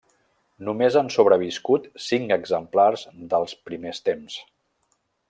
Només han sobreviscut cinc exemplars dels primers temps.